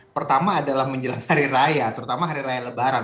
pertama adalah menjelang hari raya terutama hari raya lebaran